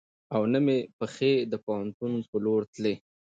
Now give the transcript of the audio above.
او نه مې پښې د پوهنتون په لور تلې .